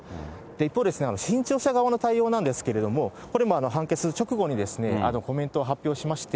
一方、新潮社側の対応なんですけれども、これも判決直後にコメントを発表しまして、